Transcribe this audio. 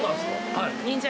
はい。